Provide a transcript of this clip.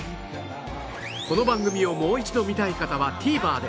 この番組をもう一度見たい方は ＴＶｅｒ で